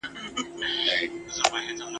خو کارګه مي پر بازار نه دی لیدلی !.